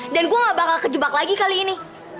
dan gue nggak bakal kejebak lagi kali ini